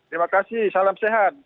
terima kasih salam sehat